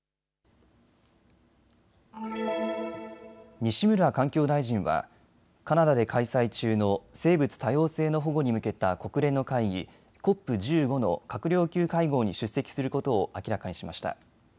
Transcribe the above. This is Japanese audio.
西村環境大臣はカナダで開催中の生物多様性の保護に向けた国連の会議、ＣＯＰ１５の閣僚級会合に出席することを明らかにしました。